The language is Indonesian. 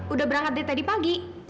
udah berangkat dari tadi pagi